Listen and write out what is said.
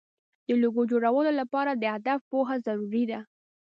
د لوګو جوړولو لپاره د هدف پوهه ضروري ده.